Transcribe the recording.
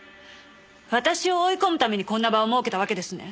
私を追い込むためにこんな場を設けたわけですね。